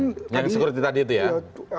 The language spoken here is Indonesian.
yang di sekuriti tadi itu ya